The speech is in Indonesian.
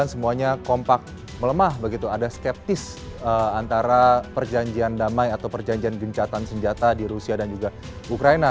semuanya kompak melemah begitu ada skeptis antara perjanjian damai atau perjanjian gencatan senjata di rusia dan juga ukraina